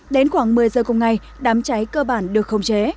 đến khoảng một mươi giờ cùng ngày đám cháy cơ bản được khống chế